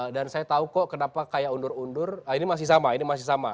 dan saya tahu kok kenapa kayak undur undur ini masih sama ini masih sama